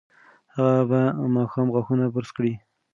هغه به ماښام غاښونه برس کوي.